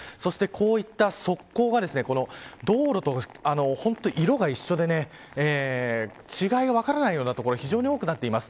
そして、こういった側溝が道路と色が一緒で違いが分からないような所が非常に多くなっています。